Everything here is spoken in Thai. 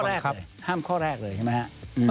เป็นข้อแรกเลยห้ามข้อแรกเลยใช่ไหมฮะ